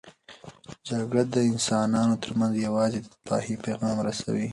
جګړه د انسانانو ترمنځ یوازې د تباهۍ پیغام رسوي.